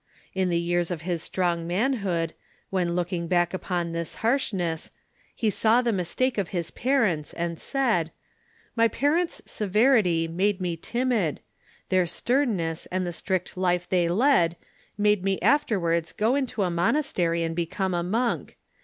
In the years of his strong manhood, when looking back upon this harshness, he saw the mistake of his parents, and said :" My parents' severity made me timid ; their stern ness and the strict life they led me made me afterwards go into a monastery and become a monk.